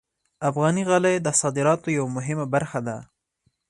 افغاني غالۍ د صادراتو یوه مهمه برخه ده.